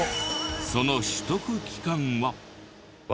その取得期間は。